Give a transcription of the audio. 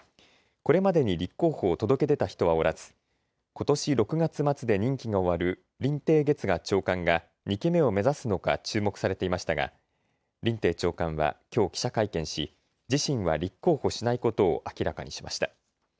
これまでに立候補を届け出た人はおらず、ことし６月末で任期が終わる林鄭月娥長官が２期目を目指すのか注目されていましたが林鄭長官は、きょう、記者会見し自身は立候補しないことを明らかにしました。